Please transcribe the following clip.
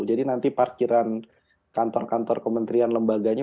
jadi nanti parkiran kantor kantor kementerian lembaganya